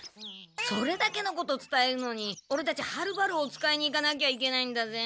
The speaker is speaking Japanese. それだけのことつたえるのにオレたちはるばるお使いに行かなきゃいけないんだぜ。